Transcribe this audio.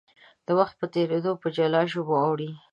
د وخت په تېرېدو په جلا ژبو اوړي.